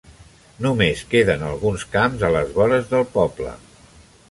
Només queden alguns camps a les vores del poble.